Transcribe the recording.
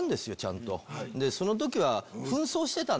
その時は。